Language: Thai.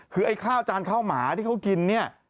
คือไอ้ข้าวจานข้าวหมาที่เขากินเนี่ย